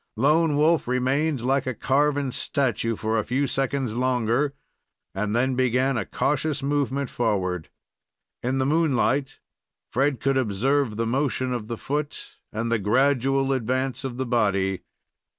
Lone Wolf remained like a carven statue for a few seconds longer, and then began a cautious movement forward. In the moonlight, Fred could observe the motion of the foot, and the gradual advance of the body.